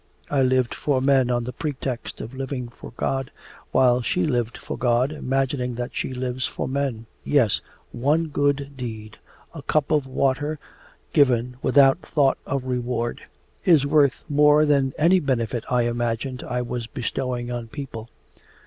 I lived for men on the pretext of living for God, while she lived for God imagining that she lives for men. Yes, one good deed a cup of water given without thought of reward is worth more than any benefit I imagined I was bestowing on people.